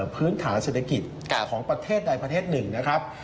พื้นฐานเศรษฐกิจของประเทศใดประเทศหนึ่งนะครับ